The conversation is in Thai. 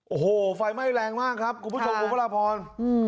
โอ้โหไฟไม่แรงมากครับคุณผู้ชมกุคอลาพรอืม